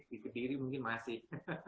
di kediri mungkin masih